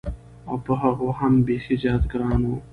او په هغو هم بېخي زیات ګران و.